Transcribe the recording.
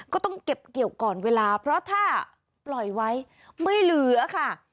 ก็ต้องเก็บเกี่ยวก่อนเวลาเพราะถ้าปล่อยไว้ไม่เหลือค่ะ